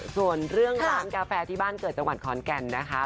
ส่วนเรื่องร้านกาแฟที่บ้านเกิดจังหวัดขอนแก่นนะคะ